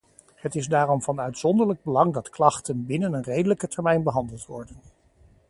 Het is daarom van uitzonderlijk belang dat klachten binnen een redelijke termijn behandeld worden.